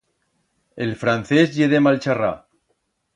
El francés ye de mal charrar.